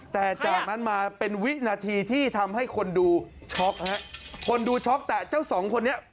แต่จากนั้นมาเป็นวินาทีที่ทำให้คนดูช็อกฮะคนดูช็อกแต่เจ้าสองคนนี้